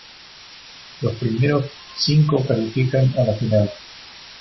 Los primeros cinco califican a la final.